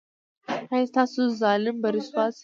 ایا ستاسو ظالم به رسوا شي؟